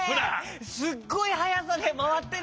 すごいはやさでまわってる。